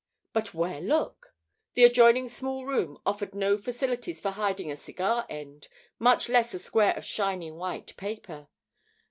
But where look? The adjoining small room offered no facilities for hiding a cigar end, much less a square of shining white paper.